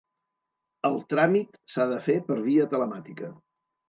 El tràmit s'ha de fer per via telemàtica.